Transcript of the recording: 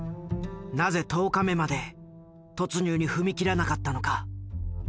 なぜ１０日目まで突入に踏み切らなかったのか。